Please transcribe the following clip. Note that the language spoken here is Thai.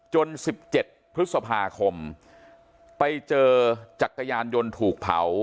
จนสิบเจ็ดพฤษภาคมไปเจอจักรยานยนต์ถูกเผา